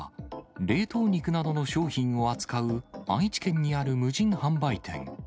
冷凍肉などの商品を扱う、愛知県にある無人販売店。